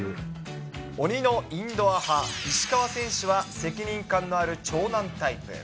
鬼のインドア派、石川選手は責任感のある長男タイプ。